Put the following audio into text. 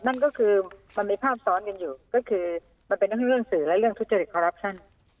นั่นก็คือมันมีภาพซ้อนกันอยู่ก็คือมันเป็นทั้งเรื่องสื่อและเรื่องทุจริตคอรัปชั่น